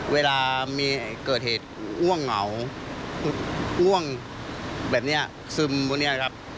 เวลามีเกิดเหตุง่วงเหงาง่วงแบบนี้ซึมพวกนี้นะครับ